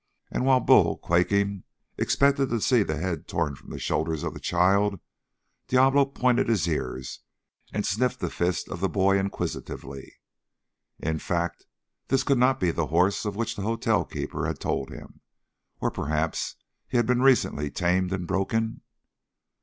And while Bull, quaking, expected to see the head torn from the shoulders of the child, Diablo pointed his ears and sniffed the fist of the boy inquisitively. In fact, this could not be the horse of which the hotelkeeper had told him, or perhaps he had been recently tamed and broken?